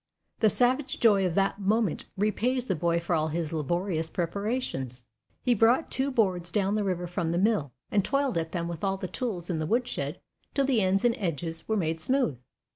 The savage joy of that moment repays the boy for all his laborious preparations. He brought two boards down the river from the mill, and toiled at them with all the tools in the woodshed till the ends and edges were made smooth.